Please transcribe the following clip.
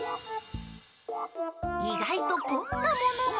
意外とこんなものも。